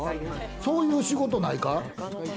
そういう仕事ないか？